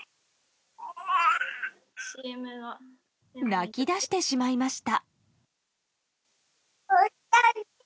泣き出してしまいました。